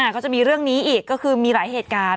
ก็จะมีเรื่องนี้อีกก็คือมีหลายเหตุการณ์